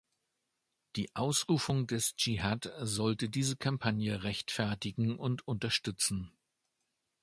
Die Ausrufung des Dschihad sollte diese Kampagne rechtfertigen und unterstützen.